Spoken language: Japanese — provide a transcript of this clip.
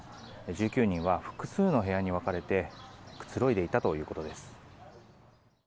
１９人は複数の部屋に分かれてくつろいでいたということです。